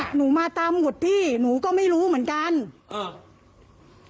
หนูมาตามหุดพี่หนูก็ไม่รู้เหมือนกันอ่า